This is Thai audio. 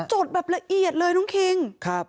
จดแบบละเอียดเลยน้องคิง